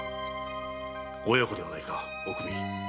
親子ではないかおくみ。